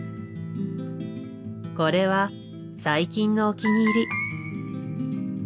これは最近のお気に入り。